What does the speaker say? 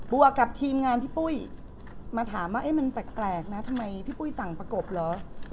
วกกับทีมงานพี่ปุ้ยมาถามว่ามันแปลกนะทำไมพี่ปุ้ยสั่งประกบเหรอ